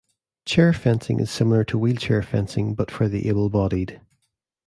Chair fencing is similar to wheelchair fencing, but for the able bodied.